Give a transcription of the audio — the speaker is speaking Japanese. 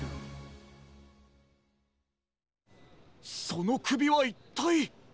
そのくびはいったい。